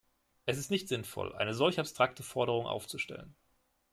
Es ist nicht sinnvoll, eine solch abstrakte Forderung aufzustellen.